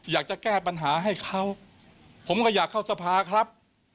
อยากจะแก้ปัญหาให้เขาผมก็อยากเข้าสภาครับ